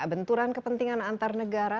benturan kepentingan antar negara